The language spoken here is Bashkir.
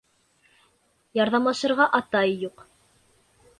Ярҙамлашырға атай юҡ